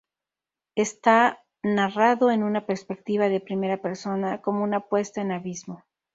Esta narrado en una perspectiva de primera persona, como una puesta en abismo.